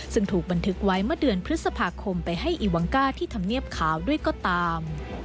ซึ่งถูกบันทึกไว้เมื่อเดือนพฤษภาคมไปให้อีวังก้าที่ทำเนียบขาวด้วยก็ตาม